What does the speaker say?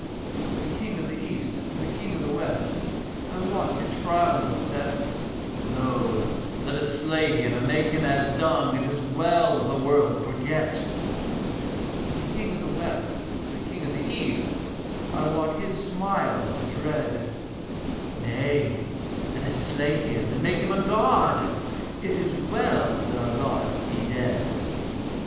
Said the King of the East to the King of the West, I wot his frown was set, 'Lo; let us slay him and make him as dung, It is well that the world forget.' Said the King of the West to the King of the East, I wot his smile was dread, 'Nay, let us slay him and make him a god, It is well that our god be dead.'